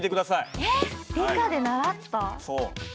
そう。